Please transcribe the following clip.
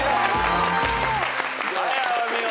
はいはいお見事。